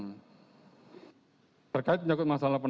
padahal sama sama perpuluhan yang terbitan bukan tidak sudah